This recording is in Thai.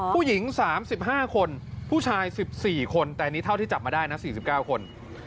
ผู้หญิง๓๕คนผู้ชาย๑๔คนแต่นี่เท่าที่จับมาได้นะ๔๙คน